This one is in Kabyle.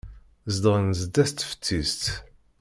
Zedɣen sdat teftist.